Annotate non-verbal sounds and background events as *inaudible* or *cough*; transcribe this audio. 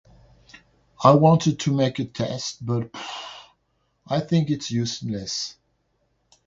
I wanted to make a test but *noise* I think it's useless